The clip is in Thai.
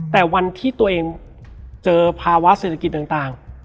แต่วันที่ตัวเองเจอภาวะเศรษฐกิจต่าง